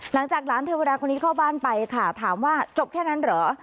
หลานเทวดาคนนี้เข้าบ้านไปค่ะถามว่าจบแค่นั้นเหรอ